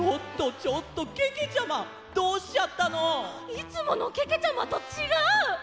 いつものけけちゃまとちがう！